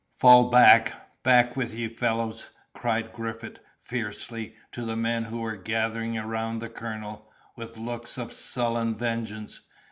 "Fall back! back with ye, fellows!" cried Griffith, fiercely, to the men who were gathering around the colonel, with looks of sullen vengeance.